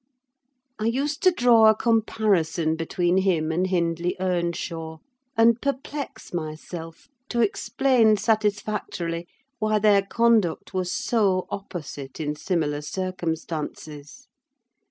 I used to draw a comparison between him and Hindley Earnshaw, and perplex myself to explain satisfactorily why their conduct was so opposite in similar circumstances.